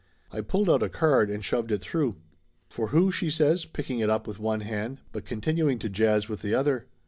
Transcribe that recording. I pulled out a card and shoved it through. "For who?" she says, picking it up with one hand, but continuing to jazz with the other.